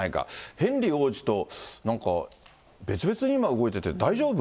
ヘンリー王子となんか、別々に今、動いてて、大丈夫？